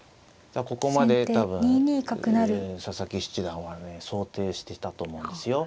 ここまで多分佐々木七段はね想定してたと思うんですよ。